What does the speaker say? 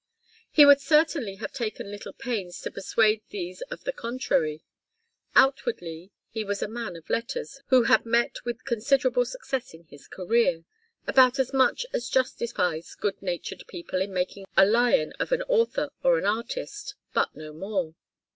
He would certainly have taken little pains to persuade these of the contrary. Outwardly, he was a man of letters who had met with considerable success in his career about as much as justifies good natured people in making a lion of an author or an artist, but no more.